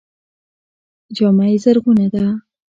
جامه یې زرغونه ده.